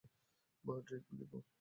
মা, ড্রিংক দিবো?